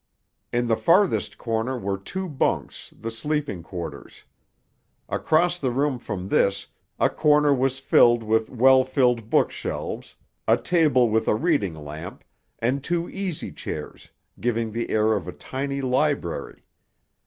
In the farthest corner were two bunks, the sleeping quarters. Across the room from this, a corner was filled with well filled bookshelves, a table with a reading lamp, and two easy chairs, giving the air of a tiny library.